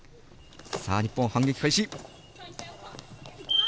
日本、反撃開始。